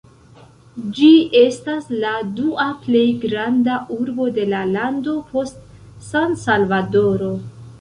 Ĝi estas la dua plej granda urbo de la lando post San-Salvadoro.